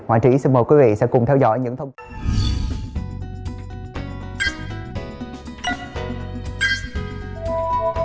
ngoại trí xin mời quý vị sẽ cùng theo dõi những thông tin